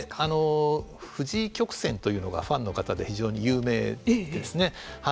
藤井曲線というのがファンの方で非常に有名ですね。